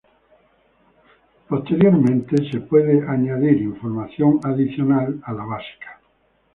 Información adicional puede ser transportada colocada posteriormente a la información básica.